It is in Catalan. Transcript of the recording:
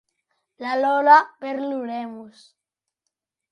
La Lola perd l'oremus.